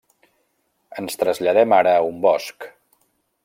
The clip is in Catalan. Ens traslladem ara a un bosc.